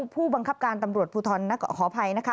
ผู้บังคับการตำรวจภูทรขออภัยนะคะ